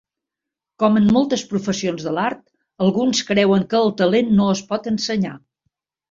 Com en moltes professions de l'art, alguns creuen que el talent no es pot ensenyar.